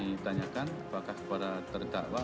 saya ingin ditanyakan apakah pada terdakwa atau